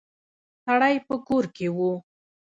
سړی په کور کې و.